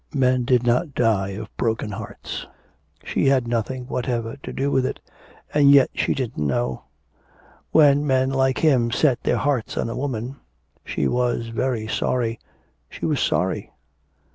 Men did not die of broken hearts. She had nothing whatever to do with it.... And yet she didn't know. When men like him set their hearts on a woman she was very sorry, she was sorry.